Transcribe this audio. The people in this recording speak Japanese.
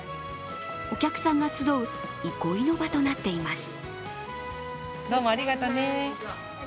お客さん集う、憩いの場となっています。